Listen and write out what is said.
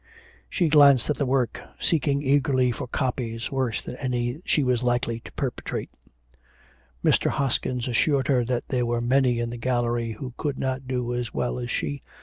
She glanced at the work, seeking eagerly for copies, worse than any she was likely to perpetrate. Mr. Hoskin assured her that there were many in the gallery who could not do as well as she.